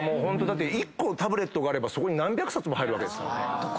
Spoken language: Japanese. １個タブレットがあればそこに何百冊も入るわけですから。